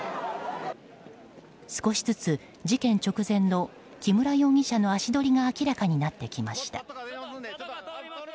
少しずつ事件直前の木村容疑者の足取りが明らかになってきました。